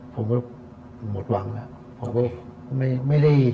ผมก็หมดหวังแล้ว